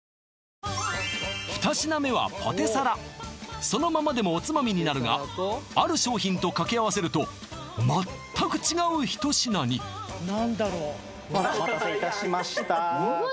２品目はポテサラそのままでもおつまみになるがある商品と掛け合わせると全く違う一品にお待たせいたしましたうわ